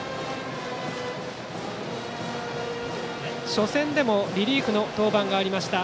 初戦でもリリーフの登板がありました